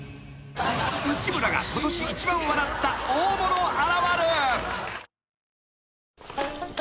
［内村がことし一番笑った大物現る］